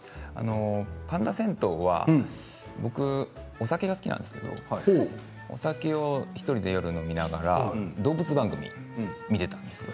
「パンダ銭湯」は僕、お酒が好きなんですけどお酒を１人で飲みながら動物番組を見ていたんです。